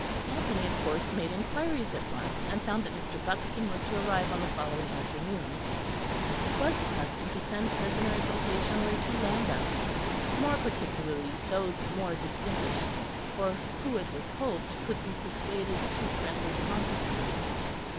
Anthony of course made inquiries at once, and found that Mr. Buxton was to arrive on the following afternoon. It was the custom to send prisoners occasionally to Lambeth, more particularly those more distinguished, or who, it was hoped, could be persuaded to friendly conference.